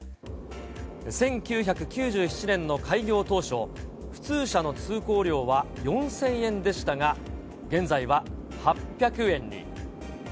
１９９７年の開業当初、普通車の通行料は４０００円でしたが、現在は８００円に。